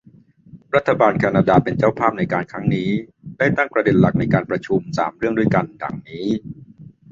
รัฐบาลแคนนาดาเป็นเจ้าภาพในการครั้งนี้ ได้ตั้งประเด็นหลักในการประชุม สาม เรื่องด้วยกัน ดังนี้